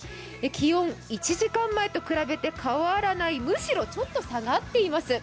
気温、１時間前と比べて変わらない、むしろちょっと下がっています。